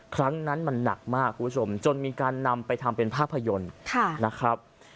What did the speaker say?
ครั้งนั้นมันนักมากจนมีการนำไปทำเป็นภาพยนตร์